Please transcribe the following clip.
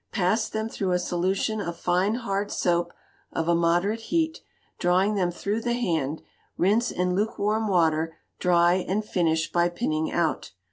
Pass them through a solution of fine hard soap of a moderate heat, drawing them through the hand; rinse in lukewarm water, dry, and finish by pinning out.